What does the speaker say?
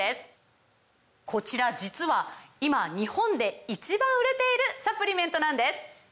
こちら実は今日本で１番売れているサプリメントなんです！